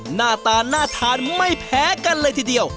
หน้าตาน่าทานไม่แพ้กันเลยทีเดียว